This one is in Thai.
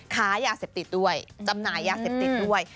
ค้ายาเสพติดด้วยจำหน่ายยาเสพติดด้วย